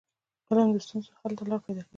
علم د ستونزو حل ته لار پيداکوي.